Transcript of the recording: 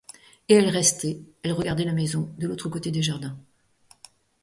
Et elle restait, elle regardait la maison, de l'autre côté des jardins.